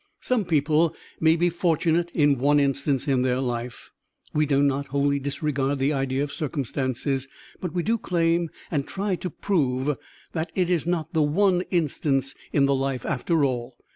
Some people may be fortunate in one instance in their life. We do not wholly disregard the idea of circumstances, but we do claim and try to prove that it is not the one instance in the life after all.